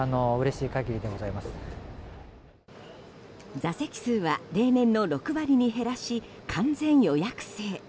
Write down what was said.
座席数は例年の６割に減らし完全予約制。